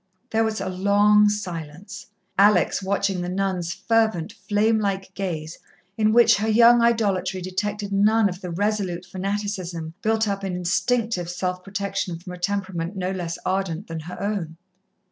There was a long silence, Alex watching the nun's fervent, flame like gaze, in which her young idolatry detected none of the resolute fanaticism built up in instinctive self protection from a temperament no less ardent than her own.